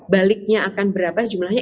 baliknya akan berapa jumlahnya